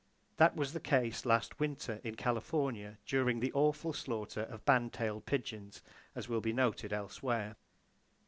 That was the case last winter in California during the awful slaughter of band tailed pigeons, as will be noted elsewhere.